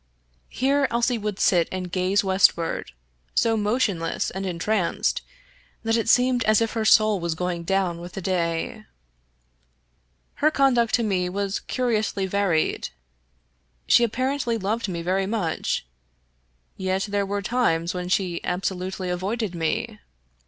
Here Elsie would sit and gaze westward, so mo tionless and entranced that it seemed as if her soul was going down with the day. Her conduct to me was curi ously varied. She apparently loved me very much, yet there were times when she absolutely avoided me.